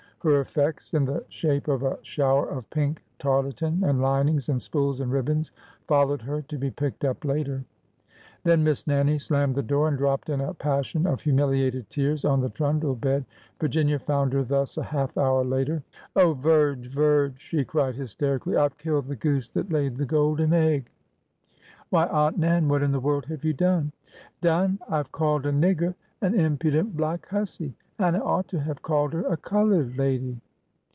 Her effects, in the shape of a shower of pink tarlatan and linings and spools and ribbons, followed her, to be picked up later. Then Miss Nannie slammed the door and dropped in a passion of humiliated tears on the trundle bed. Virginia found her thus a half hour later. Oh, Virge, Virge 1 '' she cried hysterically. I Ve killed the goose that laid the golden egg !''" Why, Aunt Nan, what in the world have you done? Done ? I \e called a nigger an impudent black hussy ! and I ought to have called her a colored lady